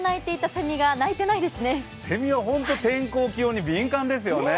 せみは本当に、天候・気温に敏感ですよね。